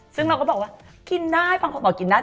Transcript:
ซึ่งเราก็บอกว่ากินได้บางคนบอกกินได้